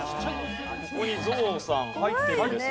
ここにゾウさん入ってるんですよ。